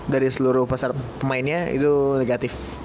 dari seluruh pemainnya itu negatif